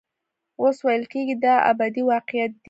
اوس ویل کېږي دا ابدي واقعیت دی.